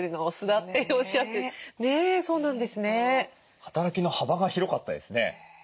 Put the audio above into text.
働きの幅が広かったですね。